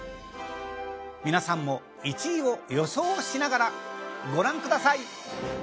皆さんも１位を予想しながらご覧ください。